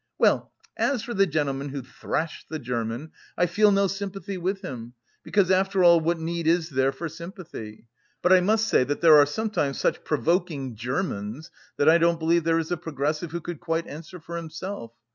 Well, as for the gentleman who thrashed the German, I feel no sympathy with him, because after all what need is there for sympathy? But I must say that there are sometimes such provoking 'Germans' that I don't believe there is a progressive who could quite answer for himself.